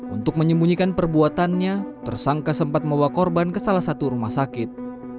untuk menyembunyikan perbuatannya tersangka sempat membawa korban ke salah satu rumah sakit